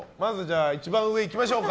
一番上、いきましょうか。